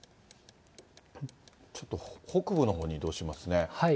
ちょっと北部のほうに移動しますね。